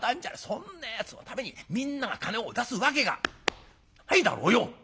そんなやつのためにみんなが金を出すわけがないだろうよ！」。